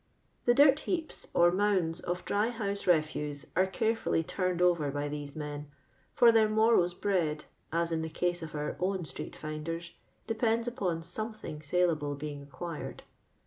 The dirt lieaps or mounds of dr>' liouse refnso arc carefully turned over by these men : for their morrow's bread, as in the case of our own street fmders, depends upon something saleable being acquired.